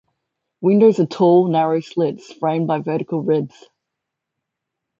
Windows are tall, narrow slits framed by vertical ribs.